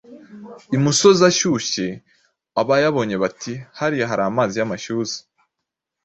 imusozi ashyushye abayabonye bati hariya hari amazi y’amashyuza.